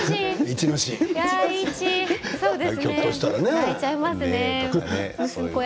いち！泣いちゃいますね。